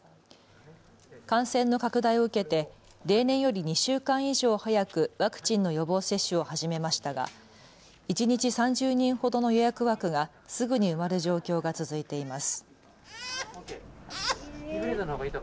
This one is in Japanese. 感染の拡大を受けて例年より２週間以上早くワクチンの予防接種を始めましたが一日３０人ほどの予約枠がすぐに埋まる状況が続いています。